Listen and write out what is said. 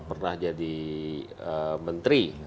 pernah jadi menteri